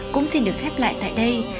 cũng xin được khép lại tại đây